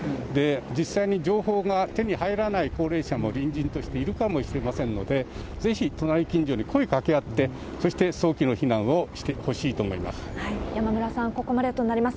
実際に情報が手に入らない高齢者も、隣人としているかもしれませんので、ぜひ隣近所に声かけあって、そして早期の避難をしてほし山村さん、ここまでとなります。